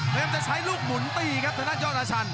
เริ่มจะใช้ลูกหมุนตีครับถ้านั่นยอดละชัน